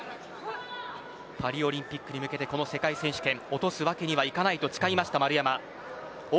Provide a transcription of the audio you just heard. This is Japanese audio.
パリオリンピックに向けてこの世界選手権落とすわけにはいかないと誓った丸山です。